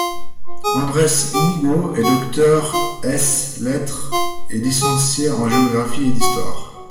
Andres Iñigo est docteur ès lettres et licencié en géographie et d'histoire.